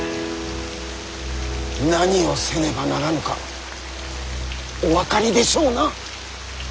何をせねばならぬかお分かりでしょうな？